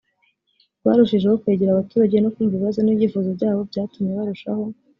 rwarushijeho kwegera abaturage no kumva ibibazo n ibyifuzo byabo byatumye barushaho